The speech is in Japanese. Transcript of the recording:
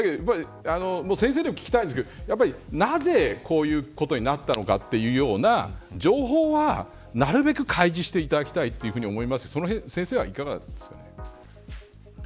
先生に聞きたいんですけどなぜ、こういうことになったのかというような情報は、なるべく開示していただきたいと思いますしそのへん、先生はいかがですか。